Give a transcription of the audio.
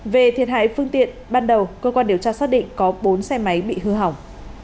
về thiệt hại phương tiện ban đầu cơ quan điều tra xác định có bốn xe máy bị hư hỏng